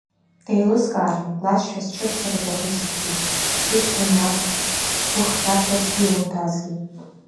Деилыскаарын, лашьцәа счырчара даҟәыҵызҭгьы, лыҷкәын иаб гәыхшәарҭас дилымҭазҭгьы.